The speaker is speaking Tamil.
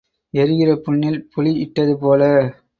எரிகிற புண்ணில் புளி இட்டது போல.